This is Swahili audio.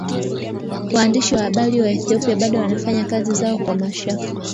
Waandishi wa habari Ethiopia bado wanafanya kazi zao kwa mashaka